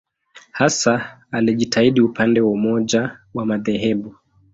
Hasa alijitahidi upande wa umoja wa madhehebu.